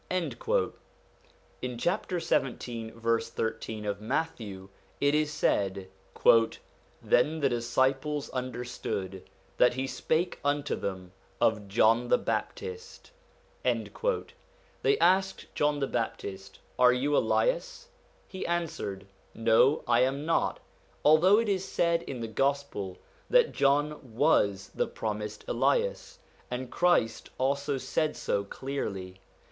1 In chapter 17, verse 13 of Matthew, it is said: 'Then the disciples understood that he spake unto them of John the Baptist.' They asked John the Baptist :' Are you Elias ?' He answered: 'No, I am not/ although it is said in the Gospel that John was the promised Elias, and Christ also said so clearly.